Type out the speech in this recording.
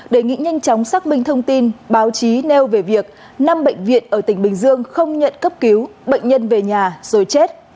đề nghị nhanh chóng xác minh thông tin báo chí nêu về việc năm bệnh viện ở tỉnh bình dương không nhận cấp cứu bệnh nhân về nhà rồi chết